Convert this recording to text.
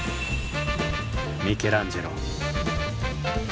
ミケランジェロ。